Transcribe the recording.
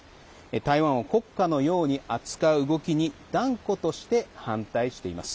台湾を国家のように扱う動きに断固として反対しています。